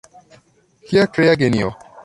Kia krea genio!